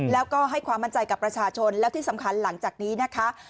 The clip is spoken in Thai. แล้วก็ให้ความมั่นใจกับประชาชนแล้วที่สำคัญหลังจากนี้นะคะ